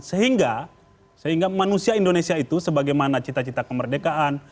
sehingga sehingga manusia indonesia itu sebagaimana cita cita kemerdekaan